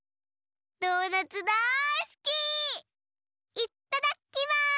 いっただっきます！